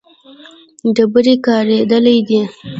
ډبرې کارېدلې دي.